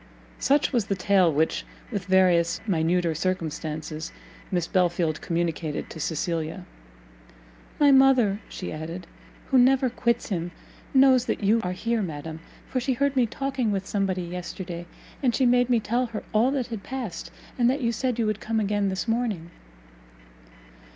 Such was the tale which, with various minuter circumstances, Miss Belfield communicated to Cecilia. "My mother," she added, "who never quits him, knows that you are here, madam, for she heard me talking with somebody yesterday, and she made me tell her all that had passed, and that you said you would come again this morning."